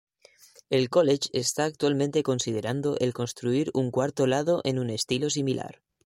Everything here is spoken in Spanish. El college está actualmente considerando el construir un cuarto lado en un estilo similar.